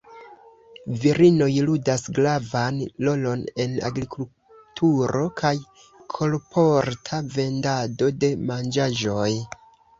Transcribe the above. Virinoj ludas gravan rolon en agrikulturo kaj kolporta vendado de manĝaĵoj.